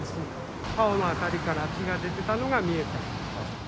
顔の辺りから血が出てたのが見えた。